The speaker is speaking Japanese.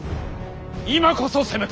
今こそ攻め時。